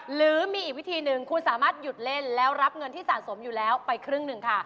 หรือมีอีกวิธีหนึ่งคุณสามารถหยุดเล่นแล้วรับเงินที่สะสมอยู่แล้วไปครึ่งหนึ่งค่ะ